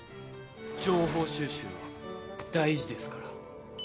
情報収集は大事ですから。